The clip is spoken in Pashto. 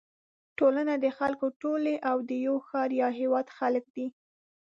ټولنه د خلکو ټولی او د یوه ښار یا هېواد خلک دي.